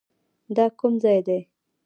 دا کوم ځاى دى.